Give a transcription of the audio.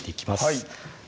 はい